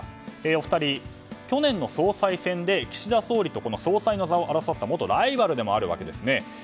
お二人去年の総裁選で岸田総理と総裁の座を争った元ライバルでもあるわけですね。